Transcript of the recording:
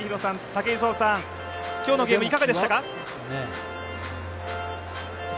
武井壮さん、今日のゲームいかがでしたか？